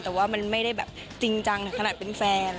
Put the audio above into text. แต่ว่ามันไม่ได้แบบจริงจังถึงขนาดเป็นแฟน